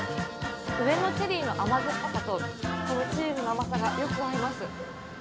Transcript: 上のチェリーの甘酸っぱさとこのチーズの甘さがよく合います。